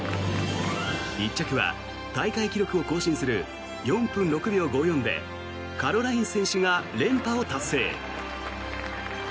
１着は大会記録を更新する４分６秒５４でカロライン選手が連覇を達成。